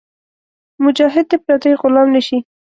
مجاهد د پردیو غلام نهشي.